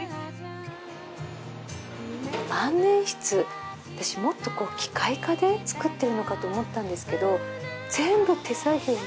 万年筆私もっと機械化で作ってるのかと思ったんですけど全部手作業で。